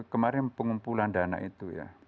kemarin pengumpulan dana itu ya